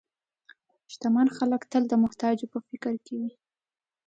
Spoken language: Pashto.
شتمن خلک تل د محتاجو په فکر کې وي.